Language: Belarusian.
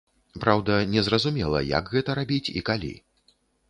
Праўда, незразумела, як гэта рабіць і калі.